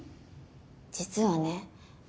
実はね